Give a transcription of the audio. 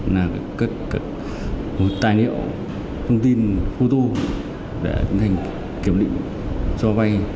làm một tài liệu thông tin photo để tiến hành kiểm định cho vây